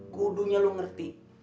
kudunya lo ngerti